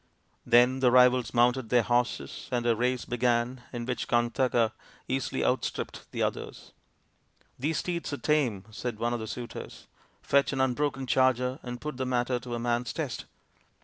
Then the rivals mounted their horses and a race began, in which Kantaka easily outstripped the others. " These steeds are tame," said one of the suitors ;" fetch an unbroken charger and put the matter to a man's test."